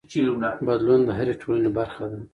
بدلون د هرې ټولنې برخه ده.